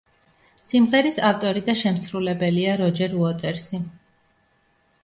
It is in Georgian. სიმღერის ავტორი და შემსრულებელია როჯერ უოტერსი.